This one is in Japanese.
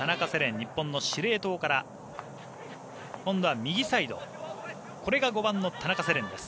日本の司令塔から今度は右サイドこれが５番の田中世蓮です。